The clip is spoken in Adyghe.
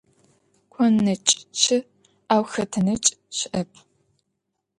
Кон нэкӀ щыӀ, ау хэтэ нэкӀ щыӀэп.